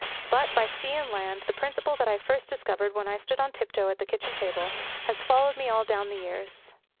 But, by sea and land, the principle that I first discovered when I stood on tiptoe on the kitchen table has followed me all down the years.